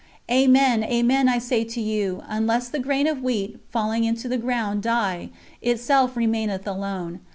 "Amen, amen, I say to you, unless the grain of wheat, falling into the ground, die, itself remaineth alone.